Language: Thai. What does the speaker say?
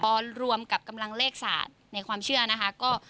พอรวมกับกำลังเลขศาสตร์ในความเชื่อนะคะก็